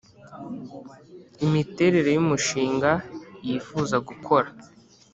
imiterere yumushinga yifuza gukora